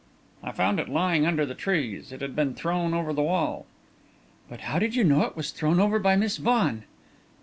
"I found it lying under the trees. It had been thrown over the wall." "But how did you know it was thrown over by Miss Vaughan?"